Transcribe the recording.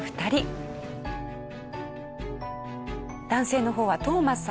男性の方はトーマスさん７８歳。